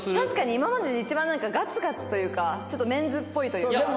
確かに今までで一番なんかガツガツというかちょっとメンズっぽいというか。